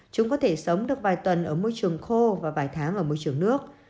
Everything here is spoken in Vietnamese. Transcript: chúng có thể sống được vài tuần ở môi trường khô và vài tháng ở môi trường nước